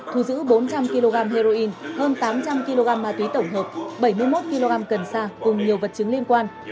thu giữ bốn trăm linh kg heroin hơn tám trăm linh kg ma túy tổng hợp bảy mươi một kg cần sa cùng nhiều vật chứng liên quan